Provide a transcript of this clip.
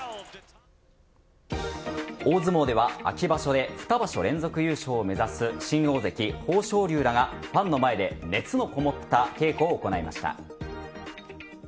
大相撲では秋場所で２場所連続優勝を目指す新大関・豊昇龍らがファンの前で熱のこもった稽古を行いました。